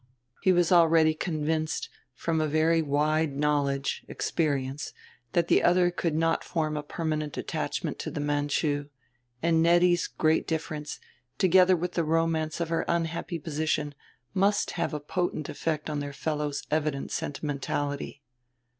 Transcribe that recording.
He was already convinced, from very wide knowledge, experience, that the other could not form a permanent attachment to the Manchu; and Nettie's great difference, together with the romance of her unhappy position, must have a potent effect on the fellow's evident sentimentality.